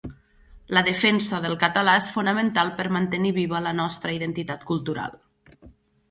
La defensa del català és fonamental per mantenir viva la nostra identitat cultural.